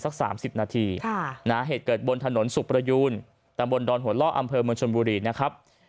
สัก๓๐นาทีเหตุเกิดบนถนนสุขประยูนตำบลดอนหัวล่ออำเภอเมืองชนบุรีนะครับ